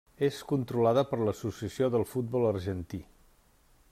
És controlada per l'Associació del Futbol Argentí.